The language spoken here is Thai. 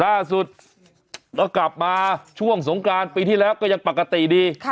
ล่าสุดก็กลับมาช่วงสงกรานปีที่แล้วก็ยังปกติดี